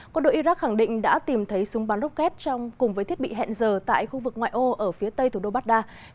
quân đội iraq khẳng định đã tìm thấy súng bắn rocket cùng với thiết bị hẹn giờ tại khu vực ngoại ô ở phía tây thủ đô baghdad